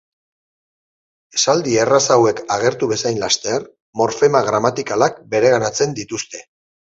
Esaldi erraz hauek agertu bezain laster, morfema gramatikalak bereganatzen dituzte.